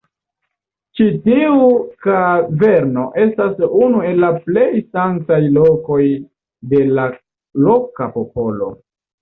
Ĉi tiu kaverno estas unu el la plej sanktaj lokoj de la loka popolo.